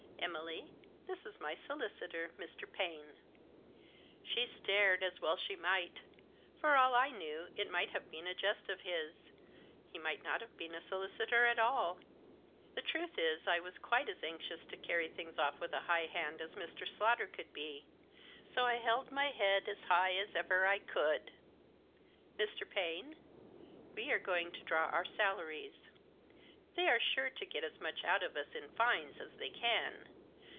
Emily, this is my solicitor, Mr. Paine." She stared, as well she might. For all I knew, it might have been a jest of his, he might not have been a solicitor at all. The truth is I was quite as anxious to carry things off with a high hand as Mr. Slaughter could be ; so I held my head as high as ever I could. "Mr. Paine, we are going to draw our salaries. They are sure to get as much out of us in fines as they can.